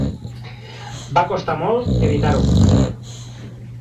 Va costar molt evitar-ho.